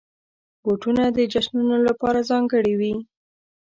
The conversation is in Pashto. بوټونه د جشنونو لپاره ځانګړي وي.